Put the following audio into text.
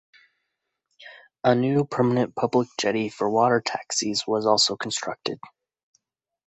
A new permanent public jetty for water taxis was also constructed.